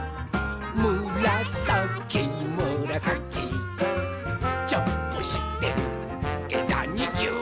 「むらさきむらさき」「ジャンプしてえだにぎゅう！」